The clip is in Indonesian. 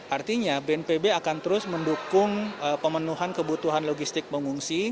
artinya bnpb akan terus mendukung pemenuhan kebutuhan logistik pengungsi